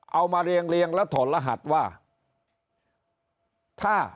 เอามาเรียงแล้วถอนรหัสว่าถ้า